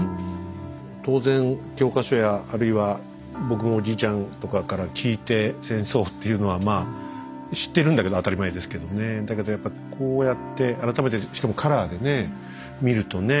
当然教科書やあるいは僕もおじいちゃんとかから聞いて戦争っていうのは知ってるんだけど当たり前ですけどねだけどやっぱこうやって改めてしかもカラーでね見るとね